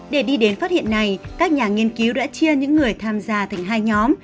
để đi đến phát hiện này các nhà nghiên cứu đã chia những người tham gia thành hai nhóm